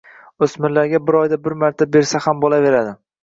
o‘smirlarga bir oyda bir marta bersa ham bo‘laveradi.